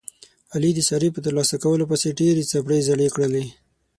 علي د سارې په ترلاسه کولو پسې ډېرې څپلۍ زړې کړلې.